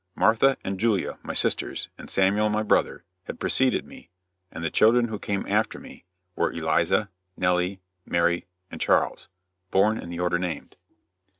Martha and Julia, my sisters, and Samuel my brother, had preceded me, and the children who came after me were Eliza, Nellie, Mary, and Charles, born in the order named.